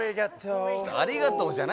ありがとう。